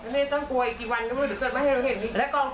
นี่ต้องกลัวอีกกี่วันเดี๋ยวเจอมาให้เราเห็นนี่